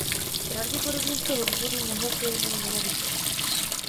Pravděpodobně z toho důvodu nehlasujeme jmenovitě.